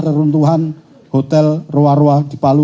reruntuhan hotel ruar ruar di palu